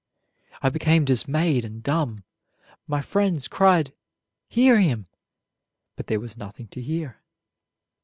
I became dismayed and dumb. My friends cried, 'Hear him!' but there was nothing to hear."